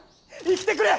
生きてくれ！